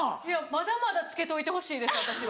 まだまだつけといてほしいです私は。